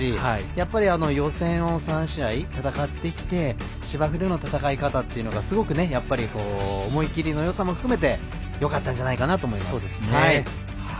やっぱり予選を３試合戦ってきて芝生での戦い方っていうのがすごく思い切りのよさも含めてよかったんじゃないかなと思います。